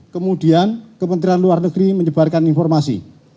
kemudian kementerian luar negeri menyebarkan informasi